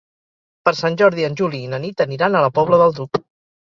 Per Sant Jordi en Juli i na Nit aniran a la Pobla del Duc.